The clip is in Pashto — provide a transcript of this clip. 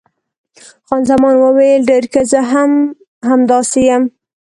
خان زمان وویل، ډېر ښه، زه هم همداسې یم.